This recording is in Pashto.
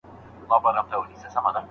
پرلپسې ورزش حافظه پیاوړې کوي.